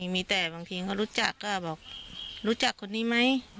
มีแต่บางทีเขารู้จักก็บอกรู้จักคนนี้ไหม